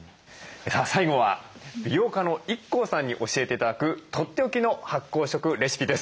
さあ最後は美容家のＩＫＫＯさんに教えて頂くとっておきの発酵食レシピです。